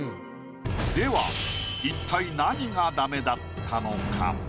では一体何がダメだったのか？